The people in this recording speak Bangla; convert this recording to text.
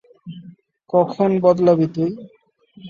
কখন বদলাবী তুই?